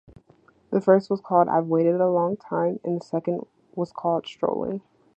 The first was called "I've Waited a Lifetime" and the second was called "Strolling".